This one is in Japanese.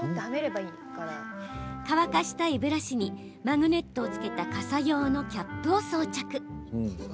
乾かしたいブラシにマグネットを付けた傘用のキャップを装着。